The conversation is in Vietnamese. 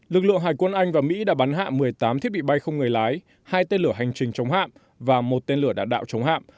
lực lượng hải quân anh và mỹ đã bắn hạ một mươi tám thiết bị bay không người lái hai tên lửa hành trình chống hạm và một tên lửa đạn đạo chống hạm